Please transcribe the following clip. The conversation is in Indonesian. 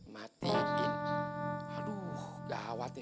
matiin aduh gawat ya